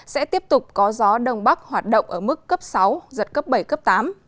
sẽ tiếp tục có gió đông bắc hoạt động ở mức cấp sáu giật cấp bảy cấp tám